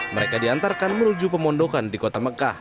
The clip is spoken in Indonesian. mereka diantarkan menuju pemondokan di kota mekah